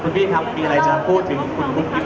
คุณพี่ครับมีอะไรจะพูดถึงคุณกิฟต์ผมขอเข้าสิ